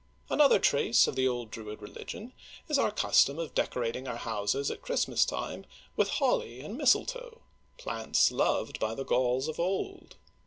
Another trace of the old Druid religion is our custom of decorating our houses at Christmas time with holly and mfstletoe — plants loved by the Gauls of old.